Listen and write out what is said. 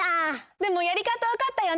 でもやりかたわかったよね！